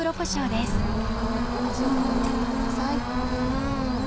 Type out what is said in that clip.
味を調えてください。